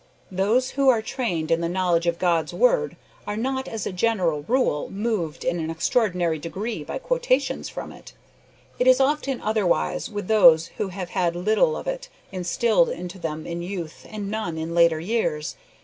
Those who are trained in the knowledge of God's Word are not as a general rule, moved in an extraordinary degree by quotations from it. It is often otherwise with those who have had little of it instilled into them in youth and none in later years.